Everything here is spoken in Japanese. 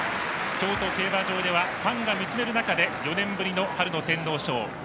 京都競馬場ではファンが見つめる中で４年ぶりの春の天皇賞。